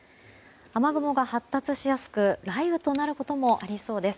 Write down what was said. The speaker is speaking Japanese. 雨雲が発達しやすく雷雨となることもありそうです。